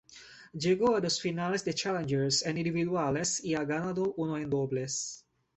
Llegó a dos finales de "challengers" en individuales y ha ganado uno en dobles.